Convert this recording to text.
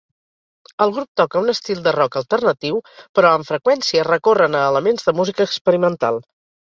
El grup toca un estil de rock alternatiu, però, amb freqüència, recorren a elements de música experimental.